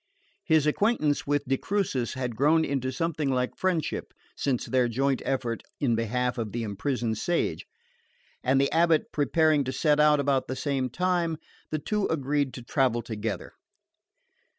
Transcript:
His acquaintance with de Crucis had grown into something like friendship since their joint effort in behalf of the imprisoned sage, and the abate preparing to set out about the same time, the two agreed to travel together.